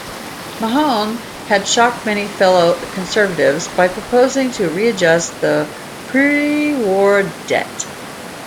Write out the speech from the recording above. Mahone had shocked many fellow Conservatives by proposing to readjust the prewar debt.